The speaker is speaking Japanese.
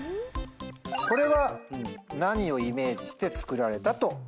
これは何をイメージして作られたと。